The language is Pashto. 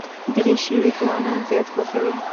دریشي ځوانان زیات خوښوي.